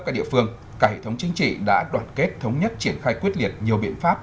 các địa phương cả hệ thống chính trị đã đoàn kết thống nhất triển khai quyết liệt nhiều biện pháp